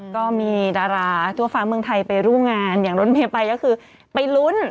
ก็มีดาราทั่วฟ้าเมืองไทยไปร่วมงานอย่างรถเมย์ไปก็คือไปลุ้น